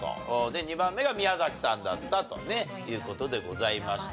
２番目が宮崎さんだったという事でございました。